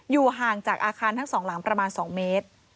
ห่างจากอาคารทั้งสองหลังประมาณ๒เมตร